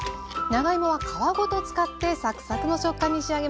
長芋は皮ごと使ってサクサクの食感に仕上げます。